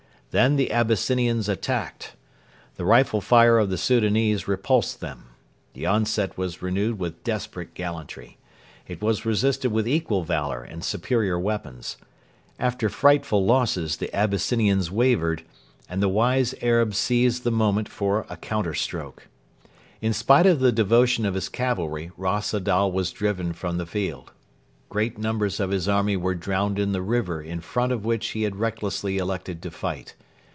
Then the Abyssinians attacked. The rifle fire of the Soudanese repulsed them. The onset was renewed with desperate gallantry. It was resisted with equal valour and superior weapons. After frightful losses the Abyssinians wavered, and the wise Arab seized the moment for a counterstroke. In spite of the devotion of his cavalry Ras Adal was driven from the field. Great numbers of his army were drowned in the river in front of which he had recklessly elected to fight.